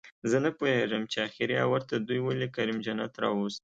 زه نپوهېږم چې اخري اوور ته دوئ ولې کریم جنت راووست